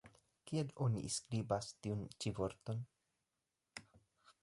Kiel oni skribas tiun ĉi vorton?